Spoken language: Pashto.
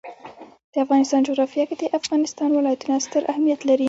د افغانستان جغرافیه کې د افغانستان ولايتونه ستر اهمیت لري.